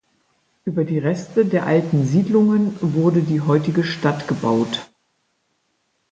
Über die Reste der alten Siedlungen wurde die heutige Stadt gebaut.